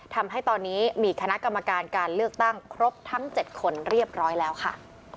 ทำให้ตอนนี้มีคณะกรรมการการเลือกตั้งครบทั้ง๗คนเรียบร้อยแล้วค่ะ